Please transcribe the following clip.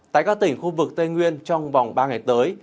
tại các tỉnh khu vực tây nguyên trong vòng ba ngày tới